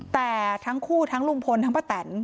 แต่ทั้งคู่ทั้งลุงพลทั้งป้าแตน